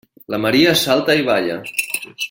La Maria salta i balla.